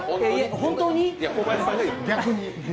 本当に？